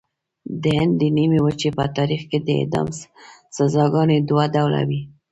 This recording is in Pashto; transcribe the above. د هند د نیمې وچې په تاریخ کې د اعدام سزاګانې دوه ډوله وې.